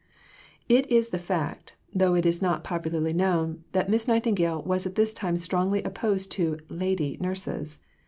It is the fact, though it is not popularly known, that Miss Nightingale was at this time strongly opposed to "lady" nurses.